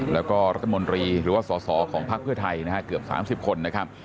แล้วก็รัฐมนตรีหรือว่าสอสอของพักเพื่อไทยนะฮะเกือบ๓๐คนนะครับ